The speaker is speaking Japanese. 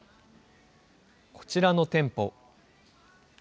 こちらの店舗。